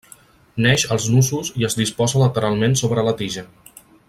Neix als nusos i es disposa lateralment sobre la tija.